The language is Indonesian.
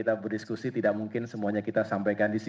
kita berdiskusi tidak mungkin semuanya kita sampaikan di sini